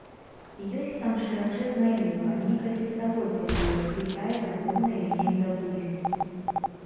Ёсць там шырачэзная ліпа, некалькі стагоддзяў ёй, і тая цудоўная легенда-быль.